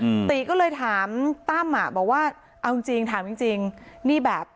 อืมติก็เลยถามตั้มอ่ะบอกว่าเอาจริงจริงถามจริงจริงนี่แบบ